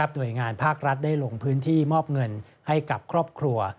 โดยงานภาครัฐได้ลงพื้นที่มอบเงินให้กับครอบครัว